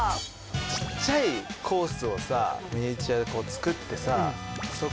ちっちゃいコースをさミニチュアで作ってさ。